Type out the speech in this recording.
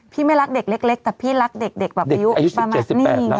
พี่ไม่รักเด็กเล็กแต่พี่รักเด็กแบบประยุกต์ประมาณนี้นี่ไง